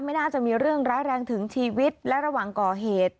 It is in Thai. ไม่น่าจะมีเรื่องร้ายแรงถึงชีวิตและระหว่างก่อเหตุ